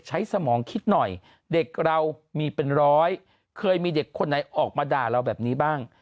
สมองคิดหน่อยเด็กเรามีเป็นร้อยเคยมีเด็กคนไหนออกมาด่าเราแบบนี้บ้าง